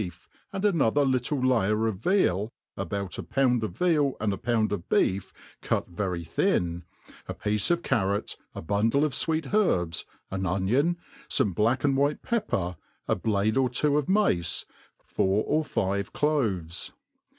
ef, and another little layer of veal, about a poui;d pf veal and a pound of beef cut very fhin,' a'piece of carrot, a bundle of fweet herbs, an onion, iott\i bjack and white pepper, a jblade or (wo of mafce, four oi five cloves.